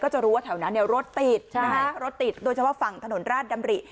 จะรู้ว่าแถวนั้นเนี่ยรถติดรถติดโดยเฉพาะฝั่งถนนราชดำริ